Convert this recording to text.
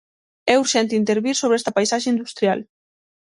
É urxente intervir sobre esta paisaxe industrial.